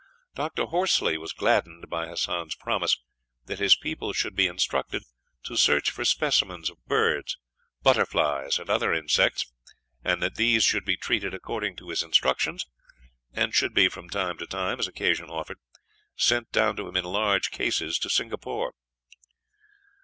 Dr. Horsley was gladdened by Hassan's promise that his people should be instructed to search for specimens of birds, butterflies, and other insects, and that these should be treated according to his instructions, and should be from time to time, as occasion offered, sent down to him in large cases to Singapore.